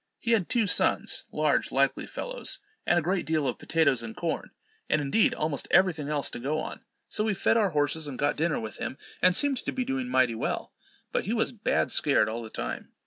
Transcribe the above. He had two sons, large likely fellows, and a great deal of potatoes and corn, and, indeed, almost every thing else to go on; so we fed our horses and got dinner with him, and seemed to be doing mighty well. But he was bad scared all the time.